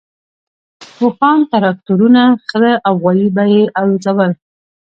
اوښان، تراکتورونه، خره او غوایي به یې الوزول.